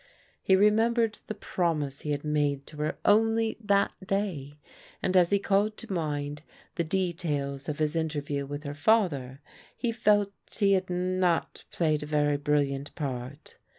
He remembered the promise he had made to her only that day, and as he called to mind the details of his interview with her father, he felt he had not played a very brilliant part.